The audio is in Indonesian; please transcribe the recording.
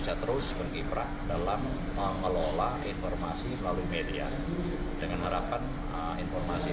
senantiasa memperbarui informasi